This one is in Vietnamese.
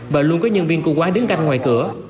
bà luôn có nhân viên của quán đứng canh ngoài cửa